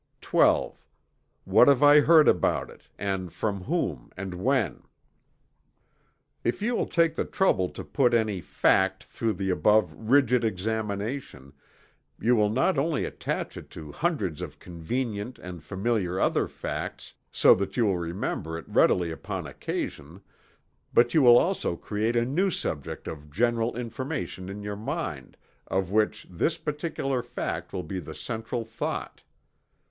XII. What have I heard about it, and from whom, and when? If you will take the trouble to put any "fact" through the above rigid examination, you will not only attach it to hundreds of convenient and familiar other facts, so that you will remember it readily upon occasion, but you will also create a new subject of general information in your mind of which this particular fact will be the central thought.